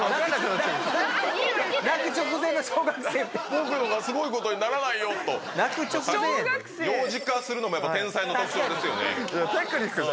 「僕のがすごいことにならないよ」と。幼児化するのも天才の特徴ですよね。